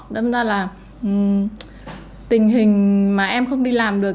đâm ra là tình hình mà em không đi làm được